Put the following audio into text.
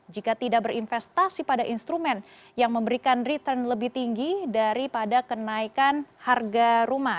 jika tidak berinvestasi pada instrumen yang memberikan return lebih tinggi daripada kenaikan harga rumah